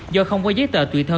do không có giấy tờ tuổi thơ